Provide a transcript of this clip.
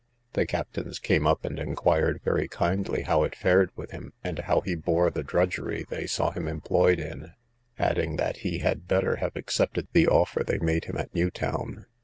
The captains came up and inquired very kindly how it fared with him, and how he bore the drudgery they saw him employed in; adding, that he had better have accepted the offer they made him at New Town.